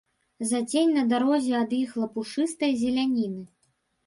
Зацень на дарозе ад іх лапушыстай зеляніны.